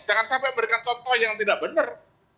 jangan sampai memberikan contoh yang tidak benar